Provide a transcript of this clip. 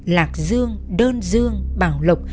lạc dương đơn dương bảo lộc